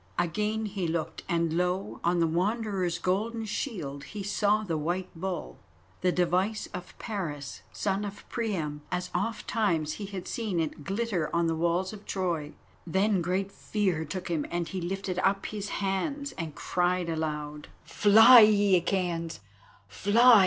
Again he looked, and lo! on the Wanderer's golden shield he saw the White Bull, the device of Paris, son of Priam, as ofttimes he had seen it glitter on the walls of Troy. Then great fear took him, and he lifted up his hands and cried aloud: "Fly, ye Achæans! Fly!